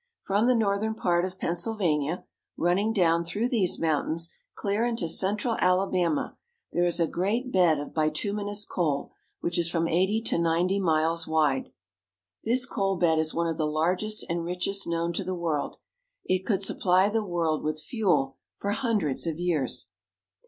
From the northern part of Penn sylvania, running down through these mountains clear into central Alabama, there is a great bed of bituminous coal which is from eighty to ninety miles wide. This coal bed is one of the largest and richest known to the world. It could supply the world with fuel for hundreds of years.